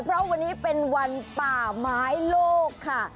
เพราะวันนี้เป็นวันป่าไม้โลกค่ะ